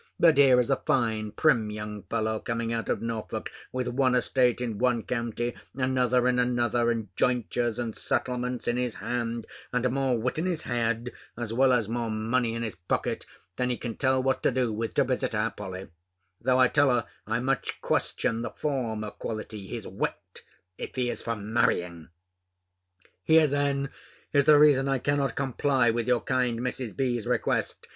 But here is a fine prim young fellow, coming out of Norfolk, with one estate in one county, another in another, and jointures and settlements in his hand, and more wit in his head, as well as more money in his pocket, than he can tell what to do with, to visit our Polly; though I tell her I much question the former quality, his wit, if he is for marrying. Here then is the reason I cannot comply with your kind Mrs. B.'s request.